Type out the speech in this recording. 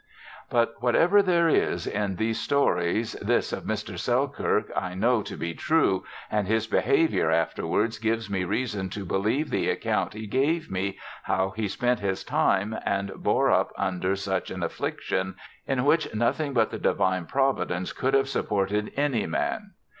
" But whatever there is in these stories this of Mr. Selkirk I know to be true, and his behaviour afterwards gives me reason to believe the account he gave me how he spent his time, and bore up under such an affliction, in which nothing but the Divine Providence could have supported any man.